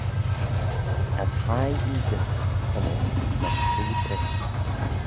As hie ee gys e cummal lesh cree brisht.